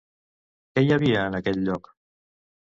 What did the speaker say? Què hi havia en aquell lloc?